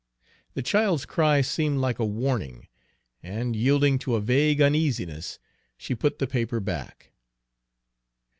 The child's cry seemed like a warning, and yielding to a vague uneasiness, she put the paper back.